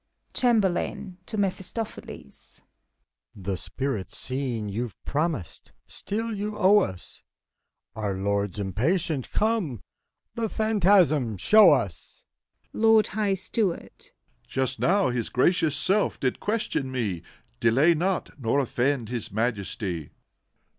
CHAMBERLAIN {tO MePHISTOPHELES). THE spirit scene you've promised, still you owe us ; Our Lord's impatient; come, the phantasm showns! 66 FAUST. LORD HIGH STEWARD. Just now His Gracious Self did question me : Delay not, nor offend His Majesty!